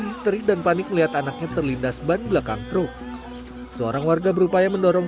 histeris dan panik melihat anaknya terlindas ban belakang truk seorang warga berupaya mendorong